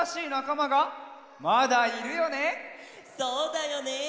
そうだよね。